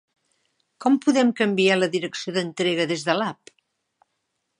Com podem canviar la direcció d'entrega des de l'app?